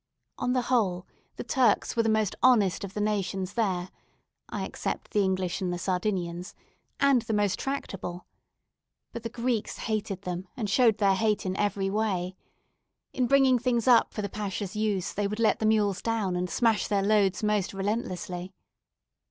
On the whole, the Turks were the most honest of the nations there (I except the English and the Sardinians), and the most tractable. But the Greeks hated them, and showed their hate in every way. In bringing up things for the Pacha's use they would let the mules down, and smash their loads most relentlessly.